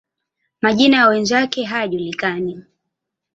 Majina ya wenzake hayajulikani.